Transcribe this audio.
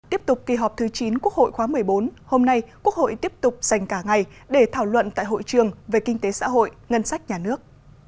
tiếp tục kỳ họp thứ chín quốc hội khóa một mươi bốn hôm nay quốc hội tiếp tục dành cả ngày để thảo luận tại hội trường về kinh tế xã hội ngân sách nhà nước